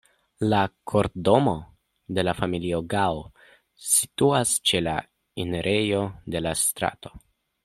La kortdomo de la familio Gao situas ĉe la enirejo de la strato.